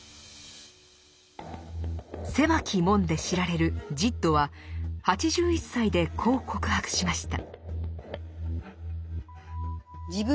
「狭き門」で知られるジッドは８１歳でこう告白しました。